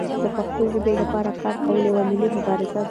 د پښتو ژبې لپاره کار کول یوه ملي مبارزه ده.